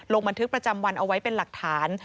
ลงบันทึกประจำวันเอาไว้เป็นหลักฐาน